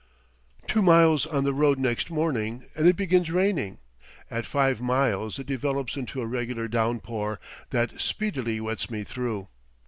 Two miles on the road next morning and it begins raining; at five miles it develops into a regular downpour, that speedily wets me through.